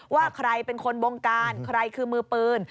ว่าใครเป็นคนบงการใครคือมือปืน